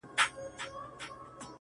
زما په ژوند کي د وختونو د بلا ياري ده!!